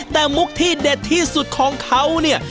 แต่มุกที่เด็ดที่สุดของเขาเนี่ย